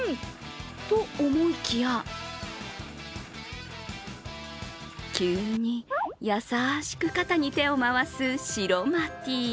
と思いきや、急に優しく肩に手を回すシロマティー。